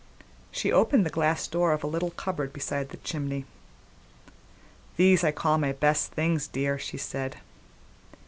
She opened the glass door of a little cupboard beside the chimney. "These I call my best things, dear," she said.